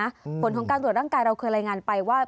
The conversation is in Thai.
ผลของการตรวจร่างกายเราเคยรายงานไปว่า